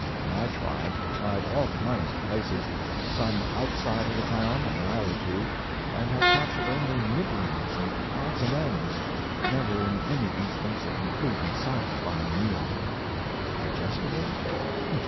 My tribe had tried all kinds of places—some outside of the town, a mile or two—and have captured only nibblings and odds and ends, never in any instance a complete and satisfying meal. Digestible?